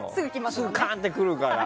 すぐカーンって来るから。